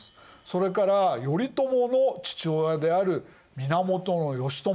それから頼朝の父親である源義朝